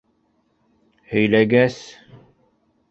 Һөйләгәс...